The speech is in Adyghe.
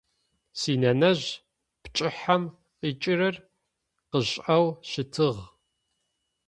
Синэнэжъ пкӏыхьэм къикӏырэр къышӏэу щытыгъ.